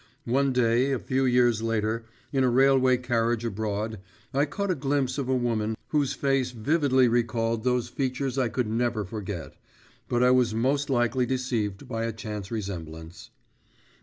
One day, a few years later, in a railway carriage abroad, I caught a glimpse of a woman, whose face vividly recalled those features I could never forget … but I was most likely deceived by a chance resemblance.